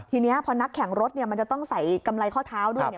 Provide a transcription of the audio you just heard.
ทีนี้พอนักแข่งรถมันจะต้องใส่กำไรข้อเท้าด้วย